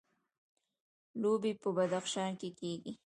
لوبیې په بدخشان کې کیږي